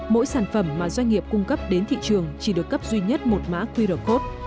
mỗi sản phẩm mà doanh nghiệp cung cấp đến thị trường chỉ được cấp duy nhất một mã qr code